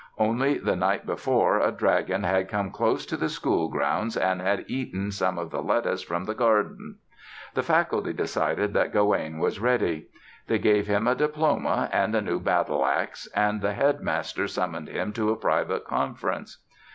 Only the night before a dragon had come close to the school grounds and had eaten some of the lettuce from the garden. The faculty decided that Gawaine was ready. They gave him a diploma and a new battle ax and the Headmaster summoned him to a private conference.